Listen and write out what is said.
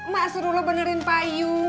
mak suruh lo benerin payung